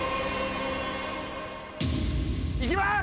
いきます！